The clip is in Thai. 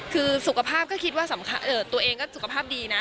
คือสุขภาพก็คิดว่าตัวเองก็สุขภาพดีนะ